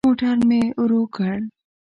موټر مي ورو کړ .